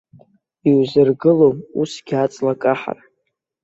Иузыргылом усгьы аҵла каҳар.